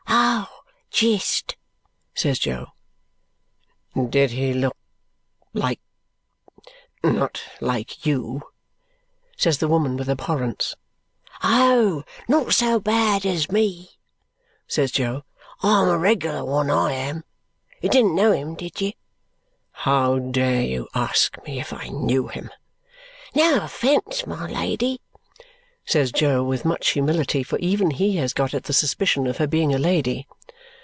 "Oh, jist!" says Jo. "Did he look like not like YOU?" says the woman with abhorrence. "Oh, not so bad as me," says Jo. "I'm a reg'lar one I am! You didn't know him, did you?" "How dare you ask me if I knew him?" "No offence, my lady," says Jo with much humility, for even he has got at the suspicion of her being a lady.